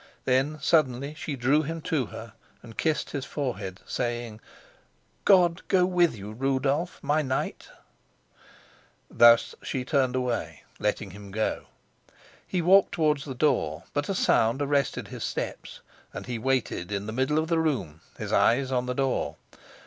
Then suddenly she drew him to her and kissed his forehead, saying: "God go with you, Rudolf my knight." Thus she turned away, letting him go. He walked towards the door; but a sound arrested his steps, and he waited in the middle of the room, his eyes on the door.